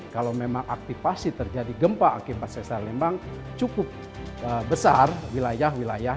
kalau memang aktifasi terjadi gempa akibat sesar lembang cukup besar wilayah wilayah